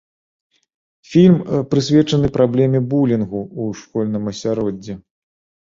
Фільм прысвечаны праблеме булінгу ў школьным асяроддзі.